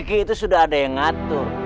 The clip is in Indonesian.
seki itu sudah ada yang ngatur